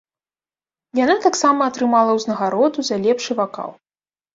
Яна таксама атрымала ўзнагароду за лепшы вакал.